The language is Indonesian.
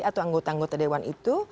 atau anggota anggota dewan itu